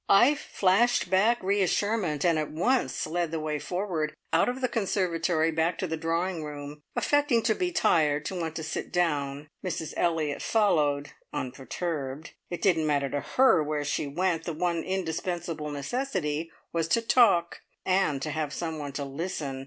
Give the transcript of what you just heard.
I flashed back reassurement, and at once led the way forward out of the conservatory, back to the drawing room, affecting to be tired, to want to sit down. Mrs Elliott followed, unperturbed. It didn't matter to her where she went, the one indispensable necessity was to talk, and to have someone to listen.